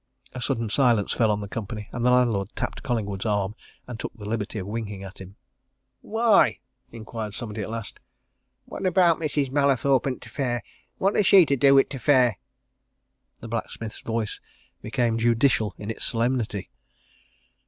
A sudden silence fell on the company, and the landlord tapped Collingwood's arm and took the liberty of winking at him. "Why," inquired somebody, at last, "what about Mrs. Mallathorpe and t' affair? What had she to do wi' t' affair?" The blacksmith's voice became judicial in its solemnity.